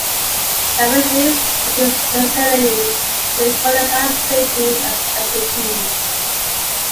Babineaux used his versatility to play cornerback, safety, and special teams.